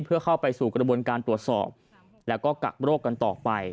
เพื่อเข้าไปสู่กระบวนการตรวจสอบแล้วก็กักโรคกันต่อไป